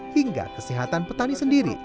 hingga kesehatan petani sendiri